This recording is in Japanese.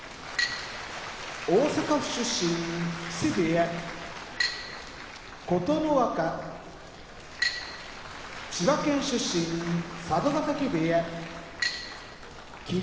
大阪府出身木瀬部屋琴ノ若千葉県出身佐渡ヶ嶽部屋霧